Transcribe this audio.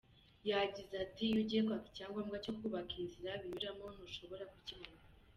Yagize ati “Iyo ugiye kwaka icyangombwa cyo kubaka, inzira binyuramo, ntushobora kukibona.